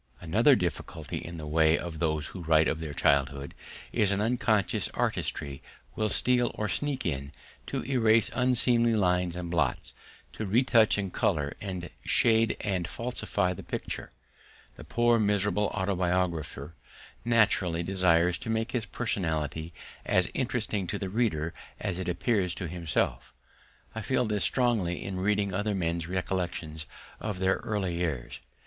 Another difficulty in the way of those who write of their childhood is that unconscious artistry will steal or sneak in to erase unseemly lines and blots, to retouch, and colour, and shade and falsify the picture. The poor, miserable autobiographer naturally desires to make his personality as interesting to the reader as it appears to himself. I feel this strongly in reading other men's recollections of their early years.